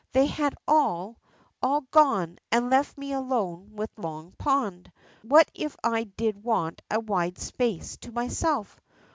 They had all, all gone, and left me alone with Long Pond. What if I did want a wide space to myself?